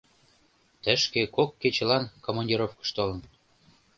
Тышке кок кечылан командировкыш толын.